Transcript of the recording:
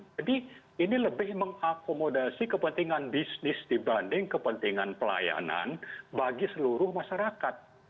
jadi ini lebih mengakomodasi kepentingan bisnis dibanding kepentingan pelayanan bagi seluruh masyarakat